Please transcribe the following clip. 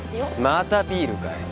またビールかよ